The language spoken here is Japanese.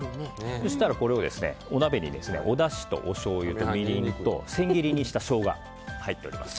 そうしたらお鍋におしょうゆとみりんと千切りしたショウガが入っております。